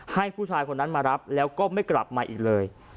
ให้ผู้ชายคนนั้นมารับแล้วก็ไม่กลับมาอีกเลย